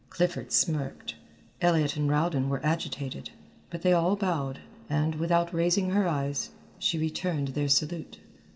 Clifford smirked, Elliot and Rowden were agitated, but they all bowed, and, without raising her eyes, she returned their salute.